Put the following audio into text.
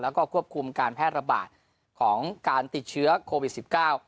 แล้วก็ควบคุมการแพร่ระบาดของการติดเชื้อโควิดสิบเก้า